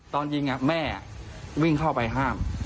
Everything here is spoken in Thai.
ตอนยิงแม่วิ่งเข้าไปห้าม